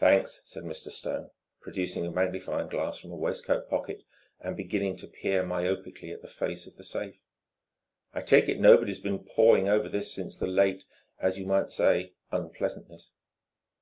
"Thanks," said Mr. Stone, producing a magnifying glass from a waistcoat pocket and beginning to peer myopically at the face of the safe. "I take it nobody's been pawing over this since the late, as you might say, unpleasantness?"